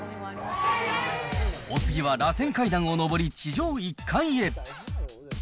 お次はらせん階段を上り、地上１階へ。